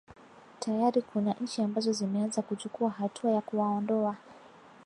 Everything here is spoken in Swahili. tayari kuna nchi ambazo zimeanza kuchukua hatua ya kuwaondoa